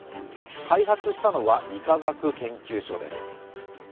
開発したのは理化学研究所です。